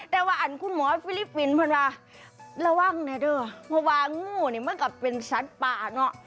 แต่ว่าอันคุณหมอฟิลิปปินส์เพื่อนว่าระวังนะเด้อเพราะว่างูเนี่ยมันก็เป็นสัตว์ป่าเนอะ